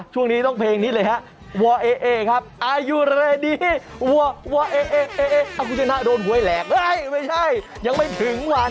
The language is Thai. ช่วงนี้มันต้องเพลงอะไรนะจูด้ง